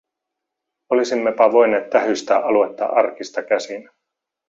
Olisimmepa voineet tähystää aluetta arkista käsin.